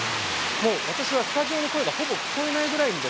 私はスタジオの声がほぼ聞こえないぐらい